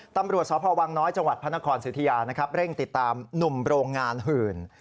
ตำรวจสพวังน้อยจพศิษยาเร่งติดตามหนุ่มโรงงานหื่น